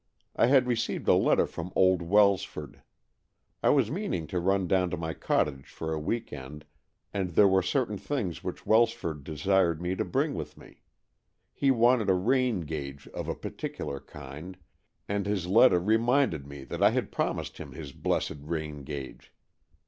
I had received a letter from old Welsford. I was meaning to run down to my cottage for a week end, and there were certain things which Welsford desired me to bring with me. He wanted a rain gauge of a particular kind, and his letter reminded me that I had promised him his blessed rain gauge.